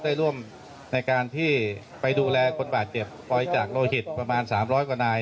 ได้ร่วมในการที่ไปดูแลคนบาดเจ็บปล่อยจากโลหิตประมาณ๓๐๐กว่านาย